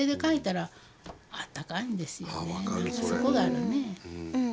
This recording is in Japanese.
そこがあるね。